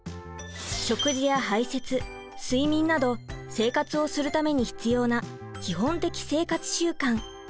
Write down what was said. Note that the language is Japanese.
食事や排せつ睡眠など生活をするために必要な基本的生活習慣。